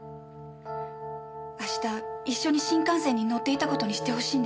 明日一緒に新幹線に乗っていた事にしてほしいんです。